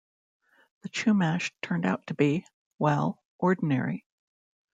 The Chumash turn out to be, well, ordinary.